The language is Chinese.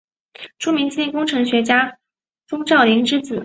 著名电机工程学家钟兆琳之子。